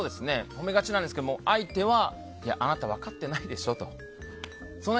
褒めがちですけど相手は分かってないでしょと。